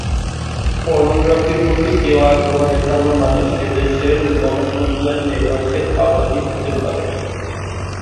পর্নোগ্রাফির প্রতি কেও আগ্রহ দেখানোর মানে সে দেশের গণ নজরদারি নেটওয়ার্কের আওতাধীন হতে পারে।